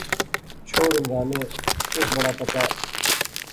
چھوڑ عمرانے، اس بڑا پتہ